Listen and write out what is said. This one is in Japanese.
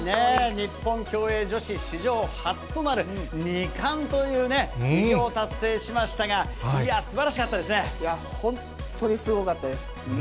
日本競泳女子史上初となる２冠というね、偉業を達成しましたが、いや、本当にすごかったです。